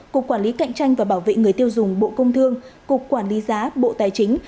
cục quản lý cạnh tranh và bảo vệ người tiêu dùng bộ công thương cục quản lý giá bộ tài chính